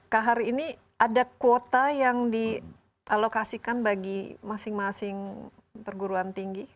kak hari ini ada kuota yang dialokasikan bagi masing masing perguruan tinggi